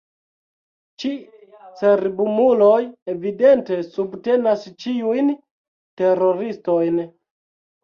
Ĉi cerbumuloj evidente subtenas ĉiujn teroristojn.